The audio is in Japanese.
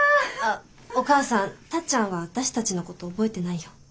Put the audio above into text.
あっお母さんタッちゃんは私たちのこと覚えてないよ。